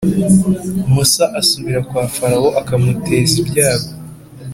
musa asubira kwa farawo akamuteza ibyago